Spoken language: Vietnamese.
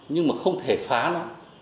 nhưng mà không thể phá nó